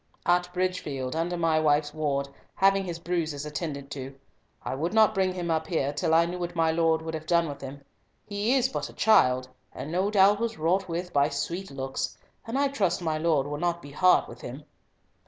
"At Bridgefield, under my wife's ward, having his bruises attended to. I would not bring him up here till I knew what my Lord would have done with him. He is but a child, and no doubt was wrought with by sweet looks, and I trust my Lord will not be hard with him."